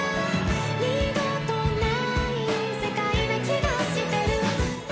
「二度とない世界な気がしてる」